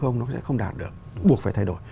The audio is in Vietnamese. nó sẽ không đạt được buộc phải thay đổi